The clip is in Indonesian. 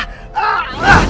tidak akan apapun yang berlebihan